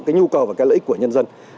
cái nhu cầu và cái lợi ích của nhân dân